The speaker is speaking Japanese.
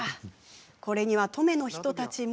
これには登米の人たちも。